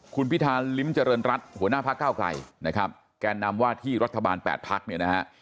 คุณพิธาลิ้มเจริญรัฐหัวหน้าพักเก้าไกลนะครับแก่นำว่าที่รัฐบาล๘พักเนี่ยนะฮะ